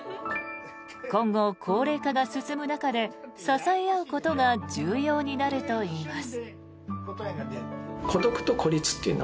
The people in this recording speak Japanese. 今後、高齢化が進む中で支え合うことが重要になるといいます。